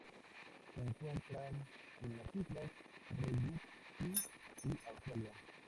Se encuentran en las Islas Ryukyu y Australia.